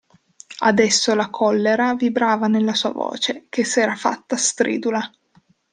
Adesso la collera vibrava nella sua voce, che s'era fatta stridula.